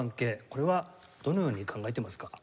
これはどのように考えてますか？